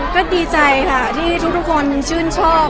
ก็ดีใจค่ะที่ทุกคนชื่นชอบ